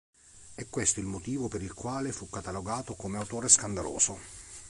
È questo il motivo per il quale fu catalogato come autore scandaloso.